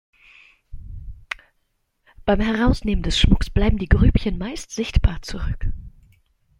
Beim Herausnehmen des Schmucks bleiben die Grübchen meist sichtbar zurück.